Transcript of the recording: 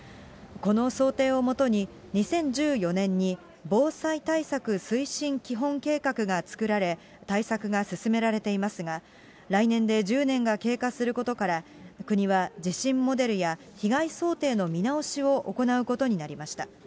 この想定を基に、２０１４年に、防災対策推進基本計画が作られ、対策が進められていますが、来年で１０年が経過することから、国は地震モデルや被害想定の見直しを行うことになりました。